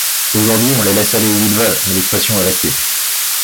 Aujourd'hui, on les laisse aller où ils veulent, mais l'expression est restée.